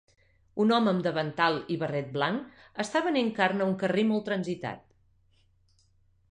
Un home amb davantal i barret blanc està venent carn a un carrer molt transitat.